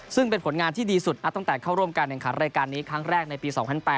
ซึ่งเป็นผลงานที่ดีสุดตั้งแต่เข้าร่วมการแข่งขันรายการนี้ครั้งแรกในปี๒๐๐๘